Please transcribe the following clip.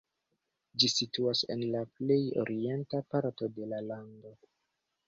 Ĝi situas en la plej orienta parto de la lando.